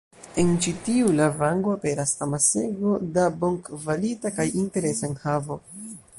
En ĉi tiu lavango aperas amasego da bonkvalita kaj interesa enhavo.